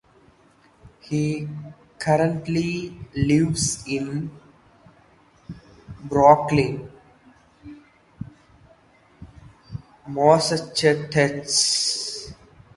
He currently lives in Brookline, Massachusetts.